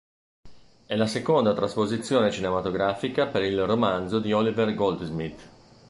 È la seconda trasposizione cinematografica per il romanzo di Oliver Goldsmith.